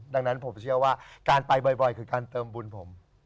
ดังนั้นผมเชื่อว่าการไปบ่อยคือการเติมบุญผม